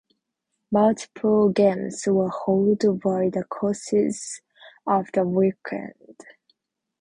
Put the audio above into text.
Multiple games were held over the course of the weekend.